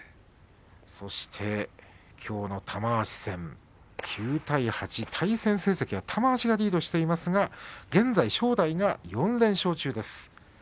きょうの玉鷲戦、９対８対戦成績は玉鷲がリードしていますが現在、正代が４連勝中です。